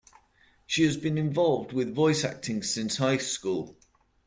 She has been involved with voice acting since high school.